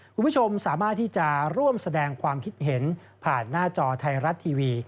คุณผู้ชมสามารถที่จะร่วมแสดงความคิดเห็นผ่านหน้าจอไทยรัฐทีวี